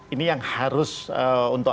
ini yang harus untuk